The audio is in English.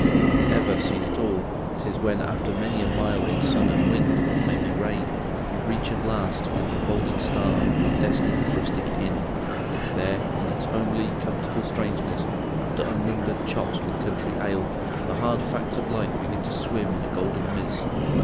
If ever seen at all, 'tis when after many a mile in sun and wind—maybe rain—you reach at last, with the folding star, your destined rustic inn. There, in its homely, comfortable strangeness, after unnumbered chops with country ale, the hard facts of life begin to swim in a golden mist.